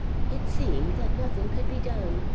It seemed that nothing could be done.